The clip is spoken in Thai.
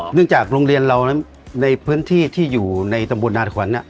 จากโรงเรียนเราในพื้นที่ที่อยู่ในตำบลนาธขวัญ